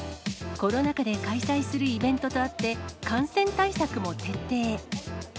コロナ禍で開催するイベントとあって、感染対策も徹底。